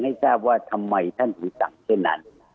ให้ทราบว่าทำไมท่านถึงสั่งเช่นนั้น